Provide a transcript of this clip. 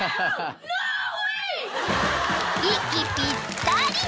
［息ぴったり］